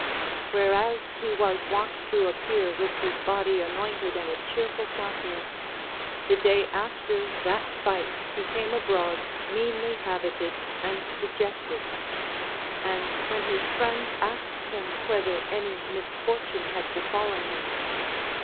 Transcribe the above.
Whereas he was wont to appear with his body anointed and a cheerful countenance, the day after that fight he came abroad meanly habited and dejected ; and when his friends asked him Avhether any misfortune had befallen him.